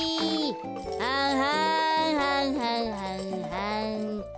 はんはんはんはんはんはん。